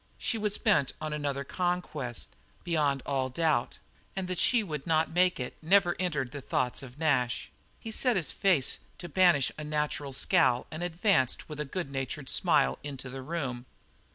She was bent on another conquest, beyond all doubt, and that she would not make it never entered the thoughts of Nash. He set his face to banish a natural scowl and advanced with a good natured smile into the room.